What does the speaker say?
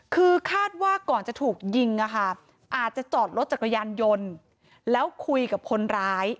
คือคาดว่าก่อนจะถูกยิงอาจจะจอดรถจักรยานยนต์แล้วคุยกับคนร้าย